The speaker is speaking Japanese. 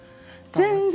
全然。